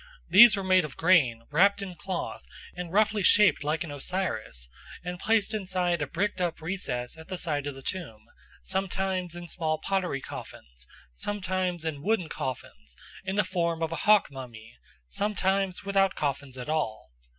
These were made of grain wrapped up in cloth and roughly shaped like an Osiris, and placed inside a bricked up recess at the side of the tomb, sometimes in small pottery coffins, sometimes in wooden coffins in the form of a hawkmummy, sometimes without any coffins at all."